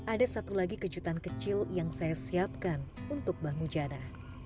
ada satu lagi kejutan kecil yang saya siapkan untuk mbah mujana